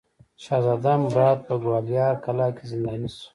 شهزاده مراد په ګوالیار کلا کې زنداني شو.